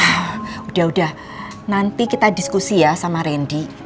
wah udah udah nanti kita diskusi ya sama randy